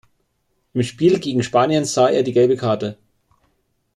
Im Spiel gegen Spanien sah er die Gelbe Karte.